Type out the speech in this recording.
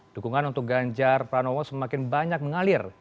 dukungan untuk ganjar pranowo semakin banyak mengalir